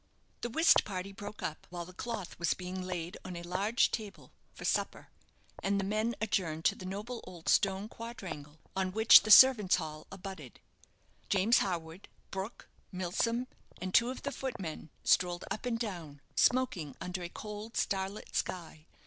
The whist party broke up while the cloth was being laid on a large table for supper, and the men adjourned to the noble old stone quadrangle, on which the servant's hall abutted. James Harwood, Brook, Milsom, and two of the footmen strolled up and down, smoking under a cold starlit sky.